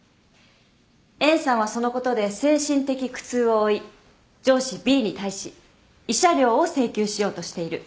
Ａさんはそのことで精神的苦痛を負い上司Ｂに対し慰謝料を請求しようとしている。